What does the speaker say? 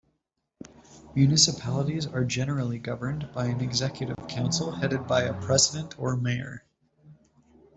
Municipalities are generally governed by an executive council headed by a president or mayor.